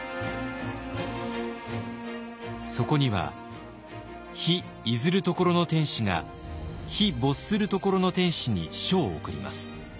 そこには「日出ずる処の天子が日没する処の天子に書を送ります。